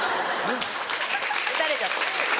・撃たれちゃった・